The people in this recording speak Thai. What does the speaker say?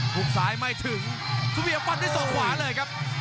ทุบซ้ายไม่ถึงสุเวียฟันด้วยศอกขวาเลยครับ